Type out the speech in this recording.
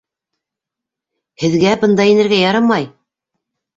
- Һеҙгә бында инергә ярамай!